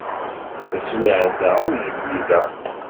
Taswiɛt-a ur yelli da.